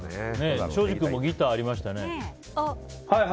庄司君もギターありましたね。